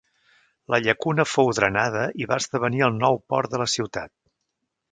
La llacuna fou drenada i va esdevenir el nou port de la ciutat.